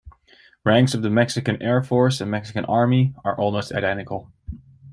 Ranks of the Mexican Air Force and Mexican Army are almost identical.